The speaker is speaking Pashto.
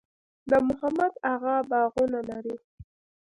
د محمد اغه باغونه لري